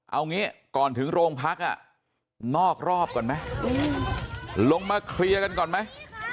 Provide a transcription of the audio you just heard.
เอางี้ก่อนถึงโรงพักนอกรอบก่อนไหมลงมาเคลียร์กันก่อนไหม